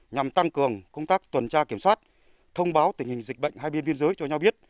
nhằm tăng cường công tác tuần tra kiểm soát thông báo tình hình dịch bệnh hai biên biên giới cho nhau biết